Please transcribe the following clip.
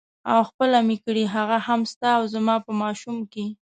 او خپله مې کړې هغه هم ستا او زما په ماشوم کې.